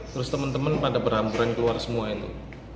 terus teman teman pada berhamburan keluar semua itu